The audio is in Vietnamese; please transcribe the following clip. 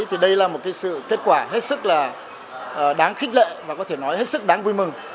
thì đây là một sự kết quả hết sức là đáng khích lệ và có thể nói hết sức đáng vui mừng